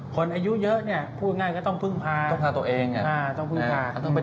คนอายุเยอะถูกง่ายต้องพึ่งพา